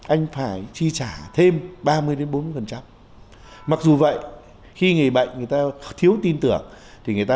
anh phải chi trả thêm ba mươi bốn mươi mặc dù vậy khi người bệnh người ta thiếu tin tưởng thì người ta